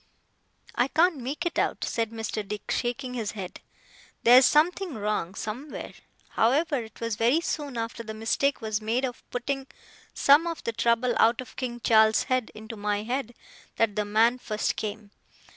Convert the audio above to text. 'I can't make it out,' said Mr. Dick, shaking his head. 'There's something wrong, somewhere. However, it was very soon after the mistake was made of putting some of the trouble out of King Charles's head into my head, that the man first came.